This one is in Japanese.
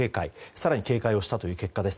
更に警戒をしたという結果です。